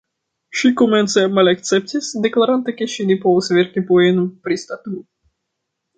Ŝi komence malakceptis, deklarante ke ŝi ne povas verki poemon pri statuo.